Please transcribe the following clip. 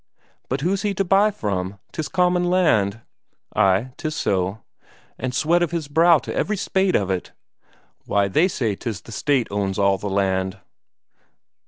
"But who's he to buy from? 'Tis common land." "Ay, 'tis so." "And sweat of his brow to every spade of it." "Why, they say 'tis the State owns all the land."